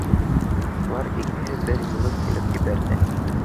У лар икеһе бер юлы көлөп ебәрҙе